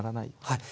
はい。